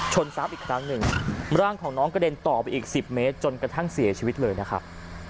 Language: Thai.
ซ้ำอีกครั้งหนึ่งร่างของน้องกระเด็นต่อไปอีก๑๐เมตรจนกระทั่งเสียชีวิตเลยนะครับ